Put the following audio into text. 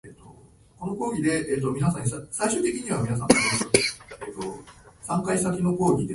天才とは九十九パーセントの努力と一パーセントの才能である